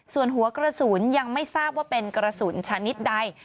ส่วนหัวกระสุนยังไม่ทราบว่าเป็นกระสุนชนิดใด